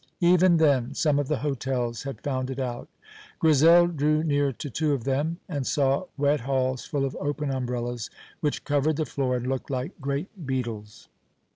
Even then some of the hotels had found it out. Grizel drew near to two of them, and saw wet halls full of open umbrellas which covered the floor and looked like great beetles.